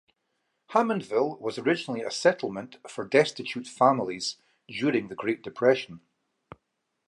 Hammondville was originally a settlement for destitute families during the Great Depression.